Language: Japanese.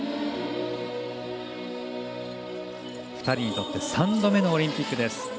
２人にとっての３度目のオリンピックです。